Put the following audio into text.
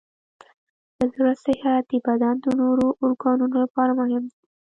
د زړه صحت د بدن د نورو ارګانونو لپاره مهم دی.